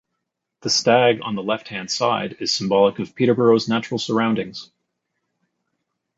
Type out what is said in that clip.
The stag on the left-hand side is symbolic of Peterborough's natural surroundings.